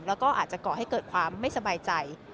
แล้วก็อาจจะก่อให้เกิดความไม่สบายใจ